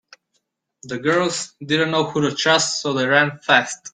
The girls didn’t know who to trust so they ran fast.